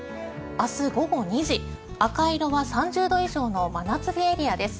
明日午後２時赤色が３０度以上の真夏日エリアです。